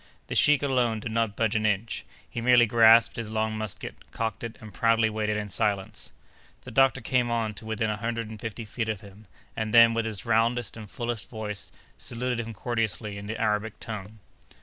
The sheik alone did not budge an inch. He merely grasped his long musket, cocked it, and proudly waited in silence. The doctor came on to within a hundred and fifty feet of him, and then, with his roundest and fullest voice, saluted him courteously in the Arabic tongue.